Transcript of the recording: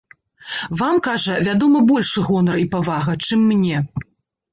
Вам, кажа, вядома, большы гонар і павага, чым мне.